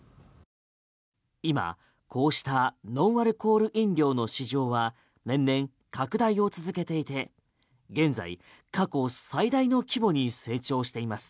今、こうしたノンアルコール飲料の市場は年々拡大を続けていて現在、過去最大の規模に成長しています。